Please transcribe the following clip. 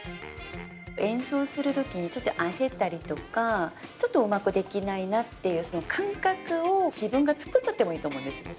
演奏する時にちょっと焦ったりとかちょっとうまくできないなっていうその感覚を自分が作っちゃってもいいと思うんですね。